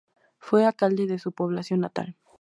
Fue alcalde de su población natal.